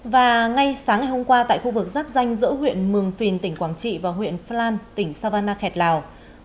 và ngay sáng ngày hôm qua tại khu vực rắc danh giữa huyện mường phìn tỉnh quảng trị và huyện phan tỉnh savanna khẹt lào